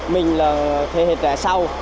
mình là thế hệ trẻ sau